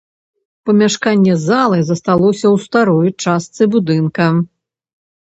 Памяшканне залы засталося ў старой частцы будынка.